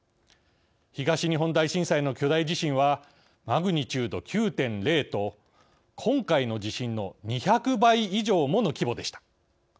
東日本大震災の巨大地震はマグニチュード９．０と今回の地震の２００倍以上もの規模でした。